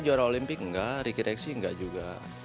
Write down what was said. jika saya berolimpik nggak rikireksi nggak juga